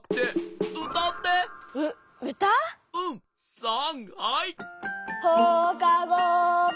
さんはい。